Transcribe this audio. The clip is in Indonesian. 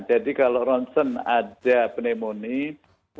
jadi kalau ronsen ada pneumonia